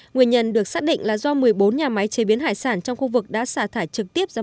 nguyên nhân được xác định là do một mươi bốn nhà máy chế biến hải sản trong khu vực đã xả thải trực tiếp ra